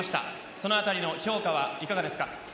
そのあたりの評価はいかがですか？